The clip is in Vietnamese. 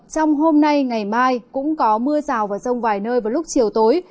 trong hôm nay ngày mai cũng có mưa rào và rông vài nơi vào lúc chiều tối